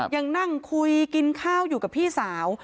ยังนั่งคุยกินข้าวอยู่กับพี่สาว